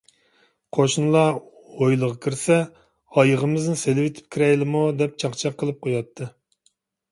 قوشنىلار ھويلىغا كىرسە: «ئايىغىمىزنى سېلىۋېتىپ كىرەيلىمۇ؟ » دەپ چاقچاق قىلىپ قوياتتى.